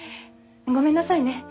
ごめんなさいね。